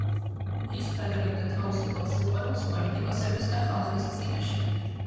ის ქადაგებდა თავისუფალ სიყვარულს პოლიტიკოსების და ხალხის წინაშე.